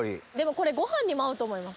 これご飯にも合うと思います。